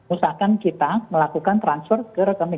usahakan kita melakukan transfer ke rekening